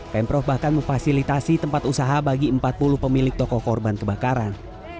pemprov bahkan memfasilitasi tempat usaha bagi empat puluh pemilik toko korban kebakaran